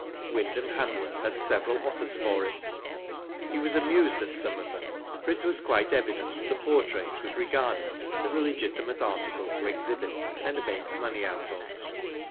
Wyndhan\ Hanworth had several offers for it. He was amused at some of them, for it was quite Digitized byGoogk STARTLING RESULTS, 259 evident the portrait was regarded as a legitimate article to exhibit, and make money out of.